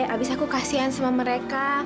abis aku kasihan sama mereka